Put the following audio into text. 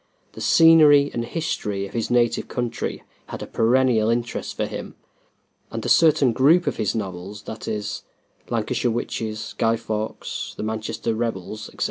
The scenery and history of his native country had a perennial interest for him, and a certain group of his novels that is, the "Lancashire Witches," "Guy Fawkes," "The Manchester Rebels," etc.